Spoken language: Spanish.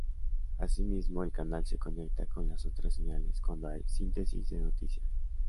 Asimismo, el canal se conecta con las otras señales cuando hay síntesis de noticias.